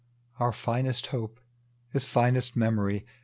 Our finest hope is finest memory